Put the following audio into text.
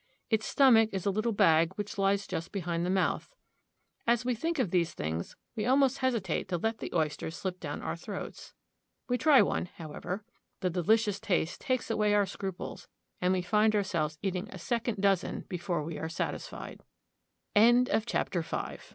Its stomach is a little bag which lies just behind the mouth. As we think of these things we almost hesitate to let the oyster slip down our throats. We try one, however. The delicious taste takes away our scruples, and we find our selves eatins: a second dozen before we are satisfied. ffe 50 PHILADELPHIA.